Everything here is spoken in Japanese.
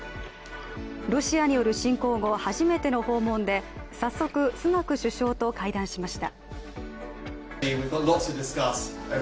ロシアによる侵攻後、初めての訪問で早速、スナク首相と会談しました。